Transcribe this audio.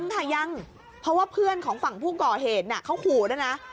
ค่ะยังเพราะว่าเพื่อนของฝั่งผู้ก่อเหตุเขาขู่ด้วยนะ